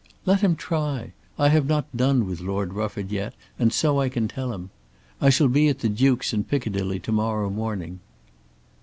"Let him try. I have not done with Lord Rufford yet, and so I can tell him. I shall be at the Duke's in Piccadilly to morrow morning."